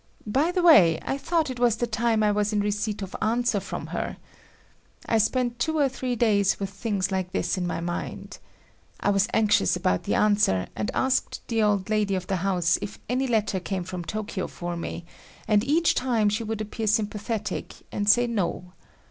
By the way, I thought it was the time I was in receipt of answer from her. I spent two or three days with things like this in my mind. I was anxious about the answer, and asked the old lady of the house if any letter came from Tokyo for me, and each time she would appear sympathetic and say no.